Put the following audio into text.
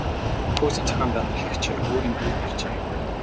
Пүүсийн зохион байгуулагч өөрийн биеэр иржээ.